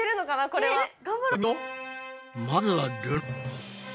まずはルナ。